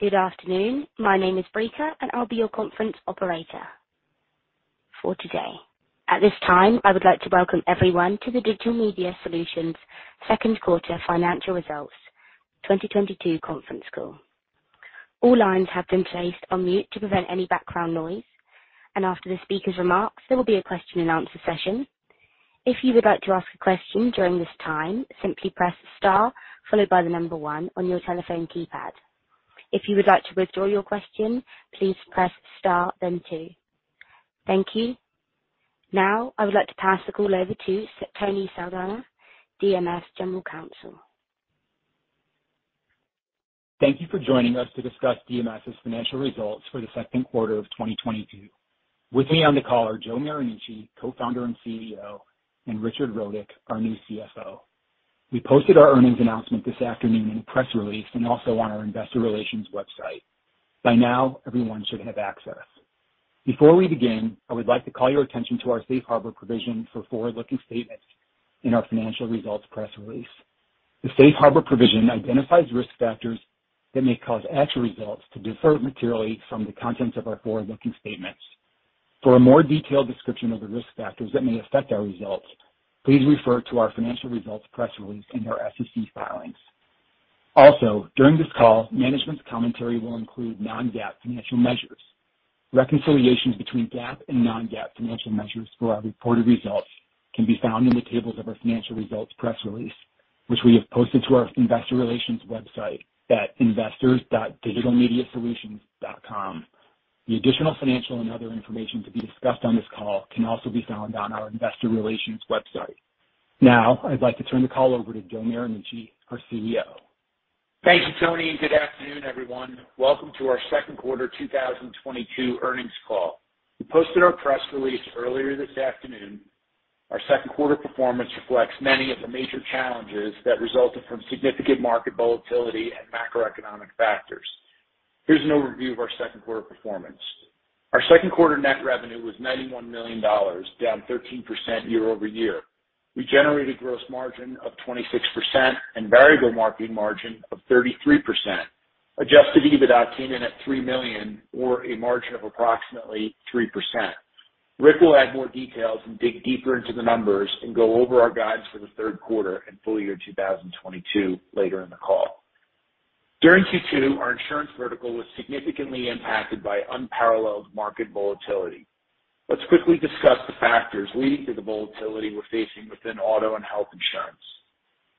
Good afternoon. My name is Brika, and I'll be your conference operator for today. At this time, I would like to welcome everyone to the Digital Media Solutions second quarter financial results 2022 conference call. All lines have been placed on mute to prevent any background noise, and after the speaker's remarks, there will be a question-and-answer session. If you would like to ask a question during this time, simply press star followed by the number one on your telephone keypad. If you would like to withdraw your question, please press star, then two. Thank you. Now I would like to pass the call over to Tony Saldana, DMS General Counsel. Thank you for joining us to discuss DMS's financial results for the second quarter of 2022. With me on the call are Joe Marinucci, Co-founder and CEO, and Richard Rodick, our new CFO. We posted our earnings announcement this afternoon in a press release and also on our investor relations website. By now, everyone should have access. Before we begin, I would like to call your attention to our safe harbor provision for forward-looking statements in our financial results press release. The safe harbor provision identifies risk factors that may cause actual results to differ materially from the contents of our forward-looking statements. For a more detailed description of the risk factors that may affect our results, please refer to our financial results press release in our SEC filings. Also, during this call, management's commentary will include non-GAAP financial measures. Reconciliations between GAAP and non-GAAP financial measures for our reported results can be found in the tables of our financial results press release, which we have posted to our investor relations website at investors.digitalmediasolutions.com. The additional financial and other information to be discussed on this call can also be found on our investor relations website. Now I'd like to turn the call over to Joe Marinucci, our CEO. Thank you, Tony, and good afternoon, everyone. Welcome to our second quarter 2022 earnings call. We posted our press release earlier this afternoon. Our second quarter performance reflects many of the major challenges that resulted from significant market volatility and macroeconomic factors. Here's an overview of our second quarter performance. Our second quarter net revenue was $91 million, down 13% year-over-year. We generated gross margin of 26% and variable marketing margin of 33%. Adjusted EBITDA came in at $3 million or a margin of approximately 3%. Rick will add more details and dig deeper into the numbers and go over our guides for the third quarter and full year 2022 later in the call. During Q2, our insurance vertical was significantly impacted by unparalleled market volatility. Let's quickly discuss the factors leading to the volatility we're facing within auto and health insurance.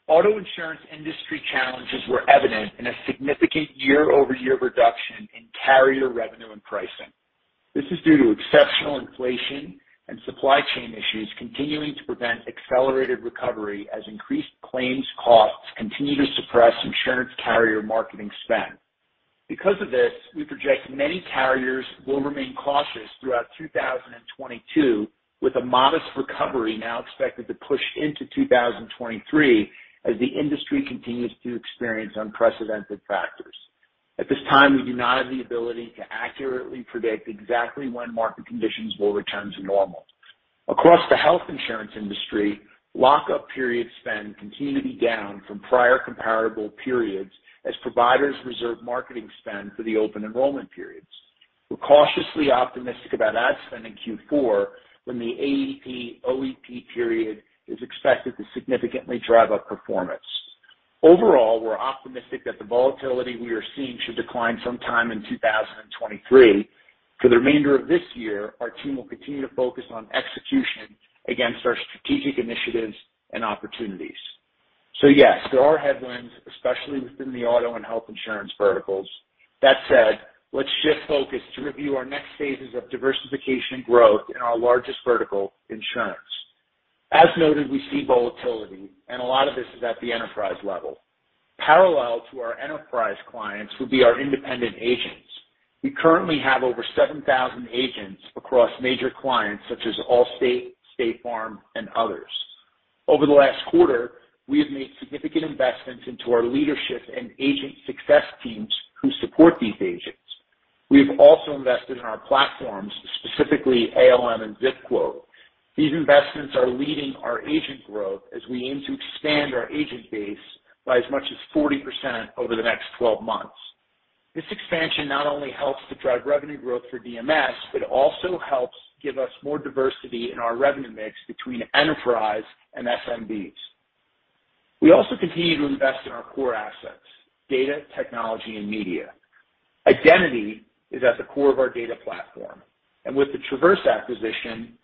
Auto insurance industry challenges were evident in a significant year-over-year reduction in carrier revenue and pricing. This is due to exceptional inflation and supply chain issues continuing to prevent accelerated recovery as increased claims costs continue to suppress insurance carrier marketing spend. Because of this, we project many carriers will remain cautious throughout 2022, with a modest recovery now expected to push into 2023 as the industry continues to experience unprecedented factors. At this time, we do not have the ability to accurately predict exactly when market conditions will return to normal. Across the health insurance industry, lockup period spend continued to be down from prior comparable periods as providers reserve marketing spend for the open enrollment periods. We're cautiously optimistic about ad spend in Q4 when the AEP/OEP period is expected to significantly drive up performance. Overall, we're optimistic that the volatility we are seeing should decline sometime in 2023. For the remainder of this year, our team will continue to focus on execution against our strategic initiatives and opportunities. Yes, there are headwinds, especially within the auto and health insurance verticals. That said, let's shift focus to review our next phases of diversification growth in our largest vertical, insurance. As noted, we see volatility, and a lot of this is at the enterprise level. Parallel to our enterprise clients would be our independent agents. We currently have over 7,000 agents across major clients such as Allstate, State Farm, and others. Over the last quarter, we have made significant investments into our leadership and agent success teams who support these agents. We have also invested in our platforms, specifically ALM and ZipQuote. These investments are leading our agent growth as we aim to expand our agent base by as much as 40% over the next 12 months. This expansion not only helps to drive revenue growth for DMS, but also helps give us more diversity in our revenue mix between enterprise and SMBs. We also continue to invest in our core assets, data, technology, and media. Identity is at the core of our data platform, and with the Traverse acquisition,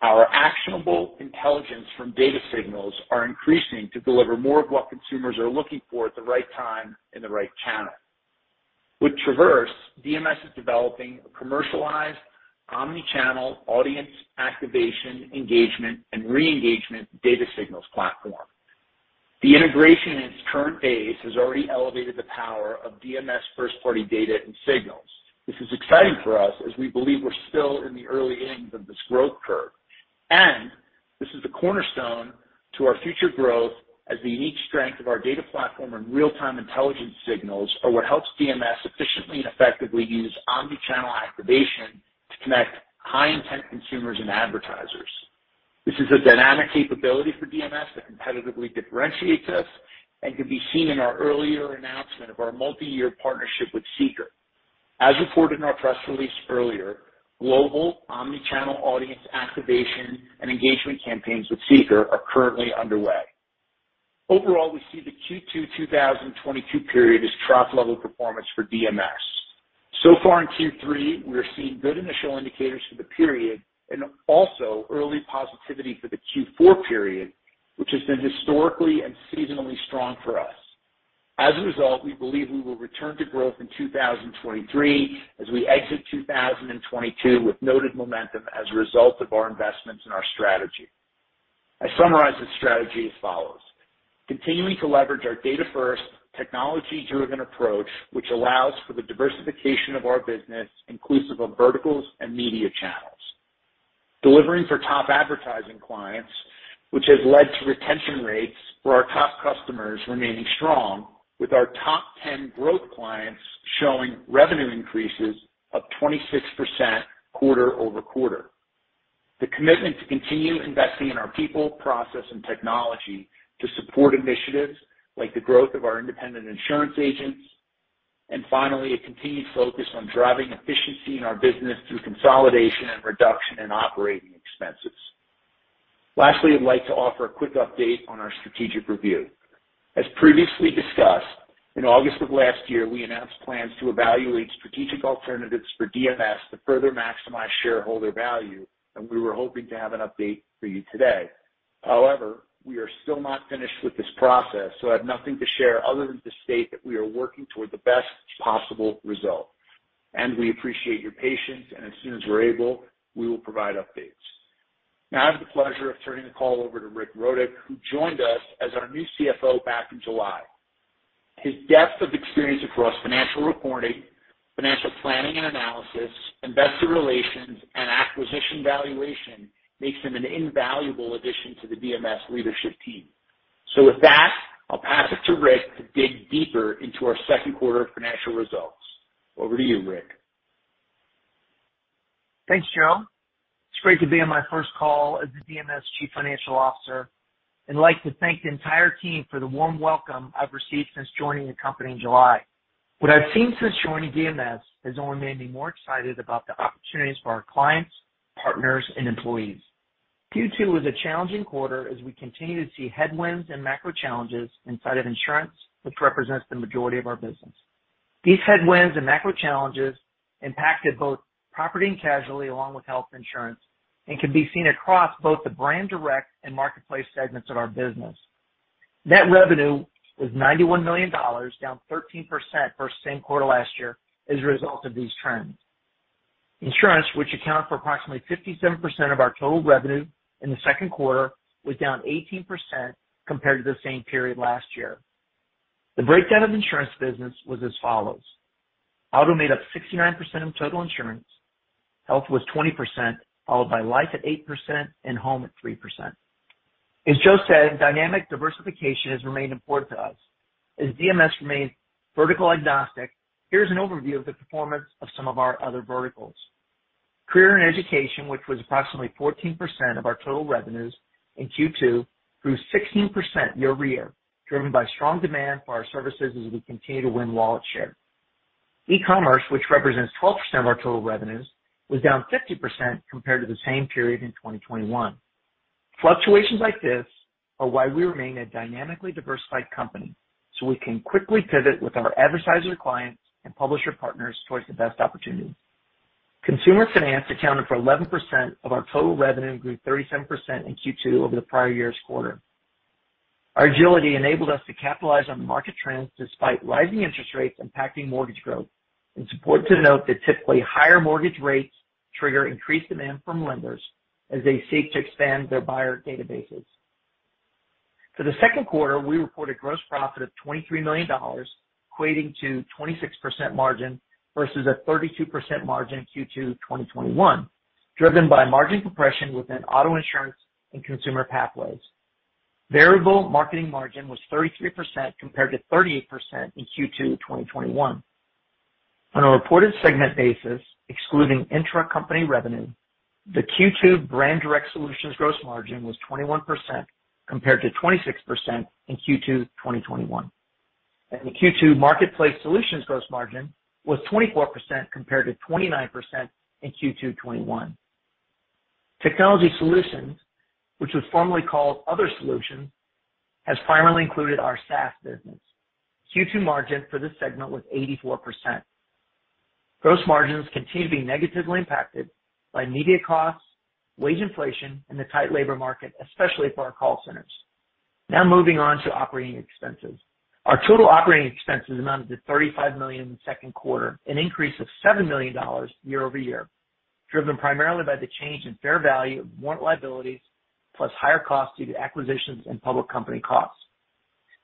our actionable intelligence from data signals are increasing to deliver more of what consumers are looking for at the right time in the right channel. With Traverse, DMS is developing a commercialized omnichannel audience activation, engagement, and re-engagement data signals platform. The integration in its current phase has already elevated the power of DMS first-party data and signals. This is exciting for us as we believe we're still in the early innings of this growth curve, and this is the cornerstone to our future growth as the unique strength of our data platform and real-time intelligence signals are what helps DMS efficiently and effectively use omnichannel activation to connect consumers and advertisers. This is a dynamic capability for DMS that competitively differentiates us and can be seen in our earlier announcement of our multi-year partnership with Seekr. As reported in our press release earlier, global omnichannel audience activation and engagement campaigns with Seekr are currently underway. Overall, we see the Q2 2022 period as trough level performance for DMS. So far in Q3, we are seeing good initial indicators for the period and also early positivity for the Q4 period, which has been historically and seasonally strong for us. As a result, we believe we will return to growth in 2023 as we exit 2022 with noted momentum as a result of our investments in our strategy. I summarize the strategy as follows. Continuing to leverage our data-first technology-driven approach, which allows for the diversification of our business inclusive of verticals and media channels. Delivering for top advertising clients, which has led to retention rates for our top customers remaining strong with our top ten growth clients showing revenue increases of 26% quarter-over-quarter. The commitment to continue investing in our people, process, and technology to support initiatives like the growth of our independent insurance agents. Finally, a continued focus on driving efficiency in our business through consolidation and reduction in operating expenses. Lastly, I'd like to offer a quick update on our strategic review. As previously discussed, in August of last year, we announced plans to evaluate strategic alternatives for DMS to further maximize shareholder value, and we were hoping to have an update for you today. However, we are still not finished with this process, so I have nothing to share other than to state that we are working toward the best possible result. We appreciate your patience, and as soon as we're able, we will provide updates. Now I have the pleasure of turning the call over to Rick Rodick, who joined us as our new CFO back in July. His depth of experience across financial reporting, financial planning and analysis, investor relations, and acquisition valuation makes him an invaluable addition to the DMS leadership team. With that, I'll pass it to Rick to dig deeper into our second quarter financial results. Over to you, Rick. Thanks, Joe. It's great to be on my first call as the DMS Chief Financial Officer. I'd like to thank the entire team for the warm welcome I've received since joining the company in July. What I've seen since joining DMS has only made me more excited about the opportunities for our clients, partners, and employees. Q2 was a challenging quarter as we continue to see headwinds and macro challenges inside of insurance, which represents the majority of our business. These headwinds and macro challenges impacted both property and casualty along with health insurance and can be seen across both the Brand Direct and Marketplace segments of our business. Net revenue was $91 million, down 13% versus same quarter last year as a result of these trends. Insurance, which accounts for approximately 57% of our total revenue in the second quarter, was down 18% compared to the same period last year. The breakdown of insurance business was as follows. Auto made up 69% of total insurance, health was 20%, followed by life at 8% and home at 3%. As Joe said, dynamic diversification has remained important to us. As DMS remains vertical agnostic, here's an overview of the performance of some of our other verticals. Career and education, which was approximately 14% of our total revenues in Q2, grew 16% year-over-year, driven by strong demand for our services as we continue to win wallet share. E-commerce, which represents 12% of our total revenues, was down 50% compared to the same period in 2021. Fluctuations like this are why we remain a dynamically diversified company, so we can quickly pivot with our advertising clients and publisher partners towards the best opportunity. Consumer finance accounted for 11% of our total revenue and grew 37% in Q2 over the prior year's quarter. Our agility enabled us to capitalize on market trends despite rising interest rates impacting mortgage growth. It's important to note that typically higher mortgage rates trigger increased demand from lenders as they seek to expand their buyer databases. For the second quarter, we reported gross profit of $23 million, equating to 26% margin versus a 32% margin in Q2 2021, driven by margin compression within auto insurance and consumer pathways. Variable marketing margin was 33% compared to 38% in Q2 2021. On a reported segment basis, excluding intracompany revenue, the Q2 Brand Direct Solutions gross margin was 21% compared to 26% in Q2 2021. The Q2 Marketplace Solutions gross margin was 24% compared to 29% in Q2 2021. Technology Solutions, which was formerly called Other Solutions, has finally included our SaaS business. Q2 margin for this segment was 84%. Gross margins continue to be negatively impacted by media costs, wage inflation, and the tight labor market, especially for our call centers. Now moving on to operating expenses. Our total operating expenses amounted to $35 million in the second quarter, an increase of $7 million year-over-year, driven primarily by the change in fair value of warrant liabilities plus higher costs due to acquisitions and public company costs.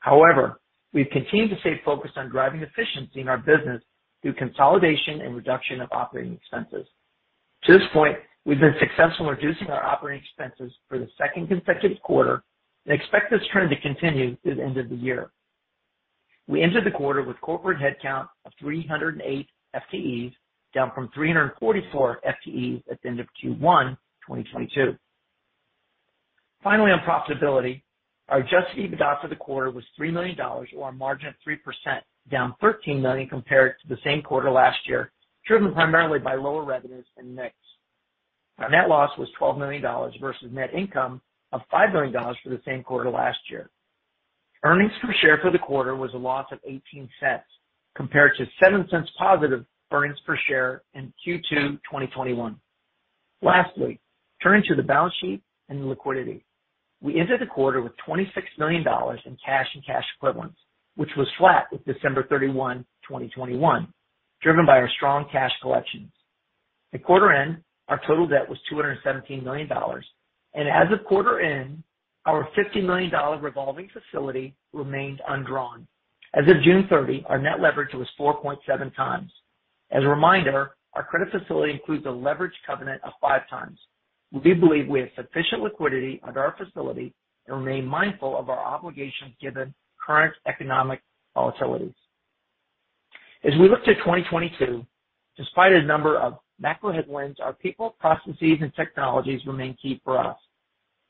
However, we've continued to stay focused on driving efficiency in our business through consolidation and reduction of operating expenses. To this point, we've been successful in reducing our operating expenses for the second consecutive quarter and expect this trend to continue through the end of the year. We entered the quarter with corporate headcount of 308 FTEs, down from 344 FTEs at the end of Q1 2022. Finally, on profitability, our adjusted EBITDA for the quarter was $3 million or a margin of 3%, down $13 million compared to the same quarter last year, driven primarily by lower revenues and mix. Our net loss was $12 million versus net income of $5 million for the same quarter last year. Earnings per share for the quarter was a loss of $0.18 compared to $0.07 positive earnings per share in Q2 2021. Lastly, turning to the balance sheet and liquidity. We entered the quarter with $26 million in cash and cash equivalents, which was flat with December 31, 2021, driven by our strong cash collections. At quarter end, our total debt was $217 million, and as of quarter end, our $50 million revolving facility remained undrawn. As of June 30, our net leverage was 4.7x. As a reminder, our credit facility includes a leverage covenant of 5x. We do believe we have sufficient liquidity under our facility and remain mindful of our obligations given current economic volatilities. As we look to 2022, despite a number of macro headwinds, our people, processes and technologies remain key for us.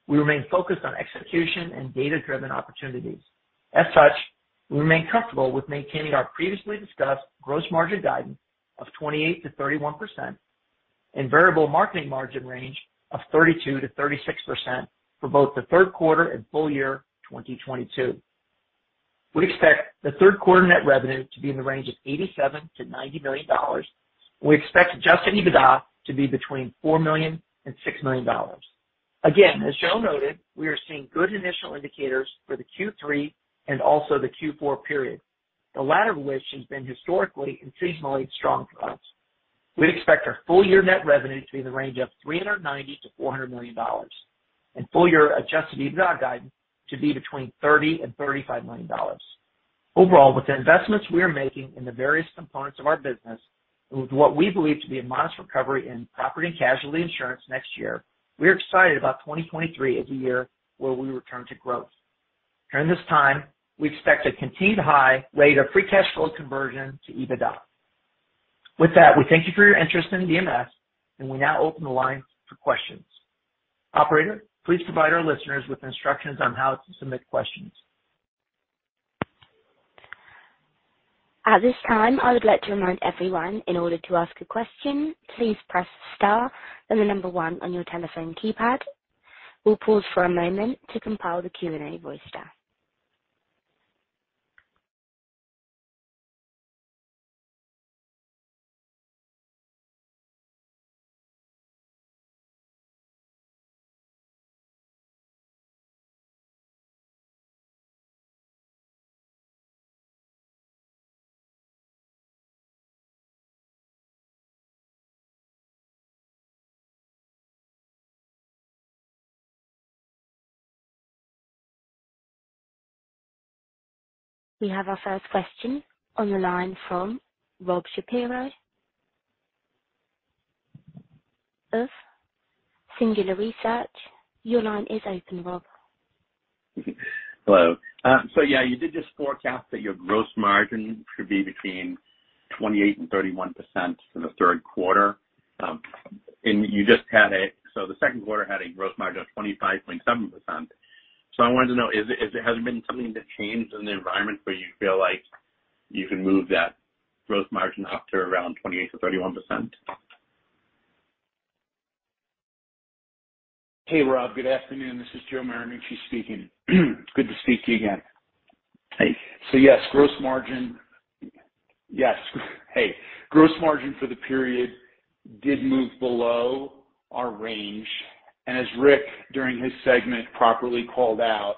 We remain focused on execution and data-driven opportunities. As such, we remain comfortable with maintaining our previously discussed gross margin guidance of 28%-31% and variable marketing margin range of 32%-36% for both the third quarter and full year 2022. We expect the third quarter net revenue to be in the range of $87 million-$90 million. We expect adjusted EBITDA to be between $4 million and $6 million. Again, as Joe noted, we are seeing good initial indicators for the Q3 and also the Q4 period, the latter of which has been historically and seasonally strong for us. We'd expect our full year net revenue to be in the range of $390 million-$400 million and full year adjusted EBITDA guidance to be between $30 million and $35 million. Overall, with the investments we are making in the various components of our business and with what we believe to be a modest recovery in property and casualty insurance next year, we are excited about 2023 as a year where we return to growth. During this time, we expect a continued high rate of free cash flow conversion to EBITDA. With that, we thank you for your interest in DMS, and we now open the line for questions. Operator, please provide our listeners with instructions on how to submit questions. At this time, I would like to remind everyone in order to ask a question, please press star, then the number one on your telephone keypad. We'll pause for a moment to compile the Q&A voice stack. We have our first question on the line from Rob Shapiro of Singular Research. Your line is open, Rob. Hello. Yeah, you did just forecast that your gross margin should be between 28% and 31% for the third quarter. The second quarter had a gross margin of 25.7%. I wanted to know, has there been something that changed in the environment where you feel like you can move that gross margin up to around 28%-31%? Hey, Rob. Good afternoon. This is Joe Marinucci speaking. Good to speak to you again. Hey. Yes, gross margin. Yes. Hey. Gross margin for the period did move below our range. As Rick, during his segment, properly called out,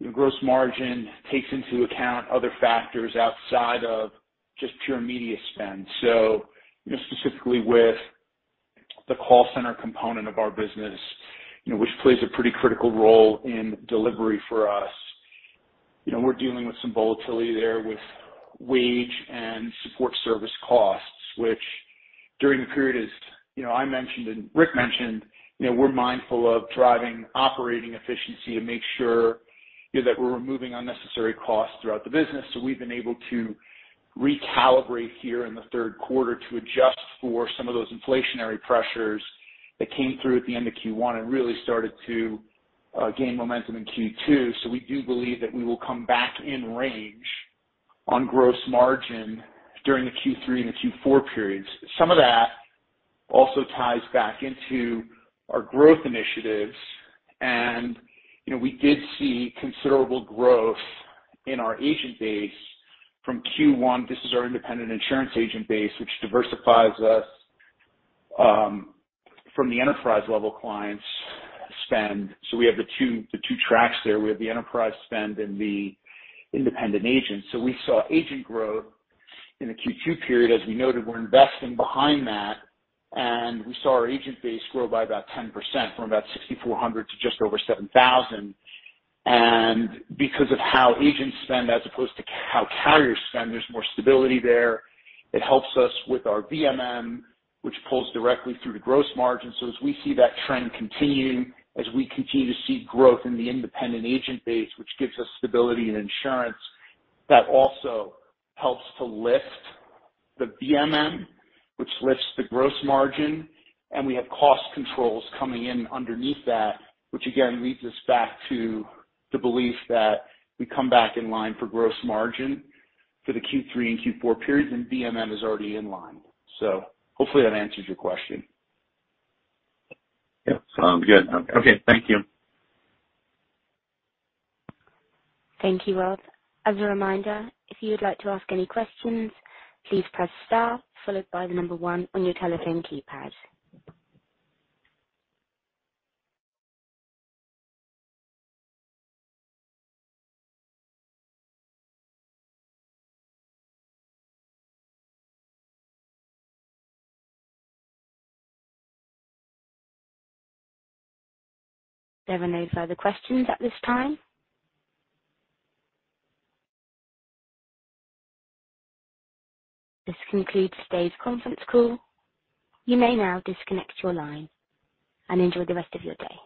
you know, gross margin takes into account other factors outside of just pure media spend. You know, specifically with the call center component of our business, you know, which plays a pretty critical role in delivery for us, you know, we're dealing with some volatility there with wage and support service costs, which during the period, as you know, I mentioned and Rick mentioned, you know, we're mindful of driving operating efficiency to make sure, you know, that we're removing unnecessary costs throughout the business. We've been able to recalibrate here in the third quarter to adjust for some of those inflationary pressures that came through at the end of Q1 and really started to gain momentum in Q2. We do believe that we will come back in range on gross margin during the Q3 and the Q4 periods. Some of that also ties back into our growth initiatives. You know, we did see considerable growth in our agent base from Q1. This is our independent insurance agent base, which diversifies us from the enterprise level clients spend. We have the two tracks there. We have the enterprise spend and the independent agents. We saw agent growth in the Q2 period. As we noted, we're investing behind that, and we saw our agent base grow by about 10% from about 6,400 to just over 7,000. Because of how agents spend as opposed to how carriers spend, there's more stability there. It helps us with our VMM, which pulls directly through the gross margin. As we see that trend continuing, as we continue to see growth in the independent agent base, which gives us stability and insurance, that also helps to lift the VMM, which lifts the gross margin. We have cost controls coming in underneath that, which again leads us back to the belief that we come back in line for gross margin for the Q3 and Q4 periods, and VMM is already in line. Hopefully that answers your question. Yeah. Sounds good. Okay. Thank you. Thank you, Rob. As a reminder, if you would like to ask any questions, please press star followed by the number one on your telephone keypad. There are no further questions at this time. This concludes today's conference call. You may now disconnect your line and enjoy the rest of your day.